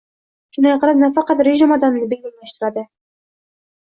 Shunday qilib, nafaqat rejim odamni begonalashtiradi